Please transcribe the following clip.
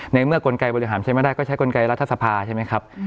ในเมื่อกลไกบริหารใช้ไม่ได้ก็ใช้กลไกรัฐสภาใช่ไหมครับ